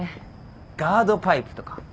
ガードパイプとか。